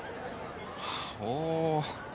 おお。